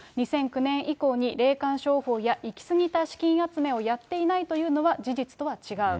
２００９年以降に霊感商法や行き過ぎた資金集めをやっていないというのは事実とは違う。